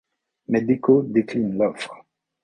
Mais Decaux décline l'offre.